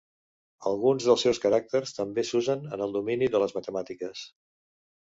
Alguns dels seus caràcters també s'usen en el domini de les matemàtiques.